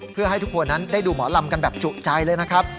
เพื่อให้ทุกคนนั้นได้ดูหมอลำกันแบบจุใจเลยนะครับ